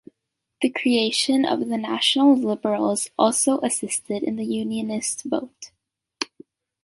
The creation of the National Liberals also assisted the Unionist vote.